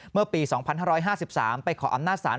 เมื่อปี๒๕๕๓ไปขออำนาจศาล